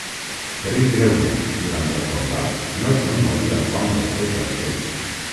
Ferit greument durant el combat, Nelson morí al pont del seu vaixell.